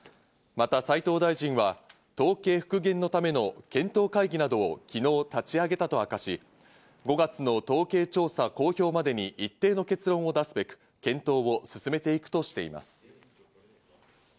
また斉藤大臣は統計復元のための検討会議などを昨日立ち上げたと明かし、５月の統計調査公表までに一定の結論を出すべく検討を進めていくとしています。